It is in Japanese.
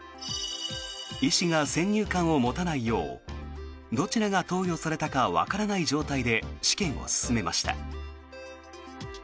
医師が先入観を持たないようどちらが投与されたかわからない状態で試験を進めました。